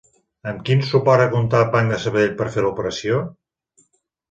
Amb quin suport ha comptat Banc Sabadell per fer l'operació?